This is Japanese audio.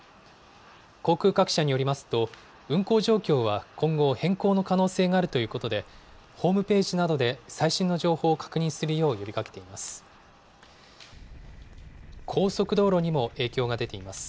航空各社によりますと、運航状況は今後、変更の可能性があるということで、ホームページなどで最新の情報を確認するよう呼びかけています。